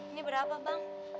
ini berapa bang